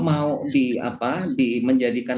mau diapa di menjadikan